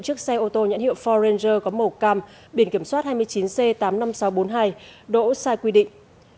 chiếc xe ô tô nhãn hiệu forranger có màu cam biển kiểm soát hai mươi chín c tám mươi năm nghìn sáu trăm bốn mươi hai đỗ sai quy định